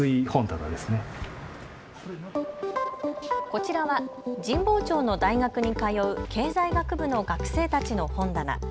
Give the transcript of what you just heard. こちらは神保町の大学に通う経済学部の学生たちの本棚。